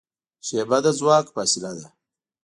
شیبه د ځواک فاصله ده.